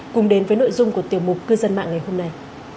cùng đến với nội dung của tiểu mục cư dân mạng ngày hôm nay